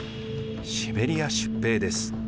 シベリア出兵です。